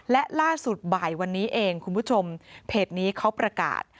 และล่าสุดบ่ายวันนี้เองคุณผู้ชมเพจนี้เขาประกาศ